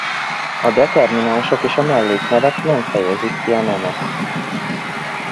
A determinánsok és a melléknevek nem fejezik ki a nemet.